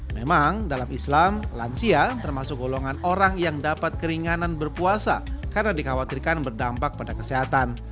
memang dalam islam lansia termasuk golongan orang yang dapat keringanan berpuasa karena dikhawatirkan berdampak pada kesehatan